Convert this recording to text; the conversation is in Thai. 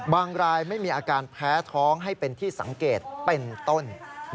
รายไม่มีอาการแพ้ท้องให้เป็นที่สังเกตเป็นต้น